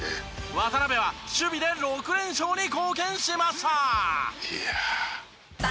渡邊は守備で６連勝に貢献しました。